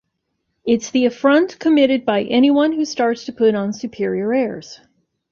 It's the affront committed by anyone who starts to put on superior airs.